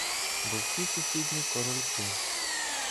Бо всі сусідні корольки